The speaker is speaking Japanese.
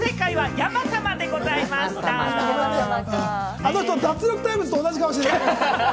あの人、『脱力タイムズ』と同じ顔してる！